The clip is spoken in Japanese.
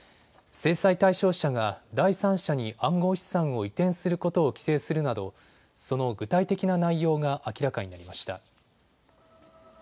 制裁対象者が第三者に暗号資産を移転することを規制するなどその具体的な内容が明らかになりました。